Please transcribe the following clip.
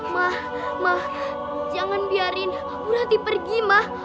ma ma jangan biarin bu rati pergi ma